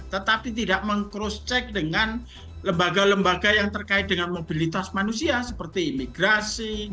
tetapi tidak meng cross check dengan lembaga lembaga yang terkait dengan mobilitas manusia seperti imigrasi